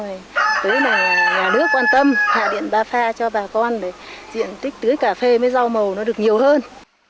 rồi là nhà nước quan tâm hạ điện ba pha cho bà con để diện tích tưới cà phê với rau màu nó được nhiều hơn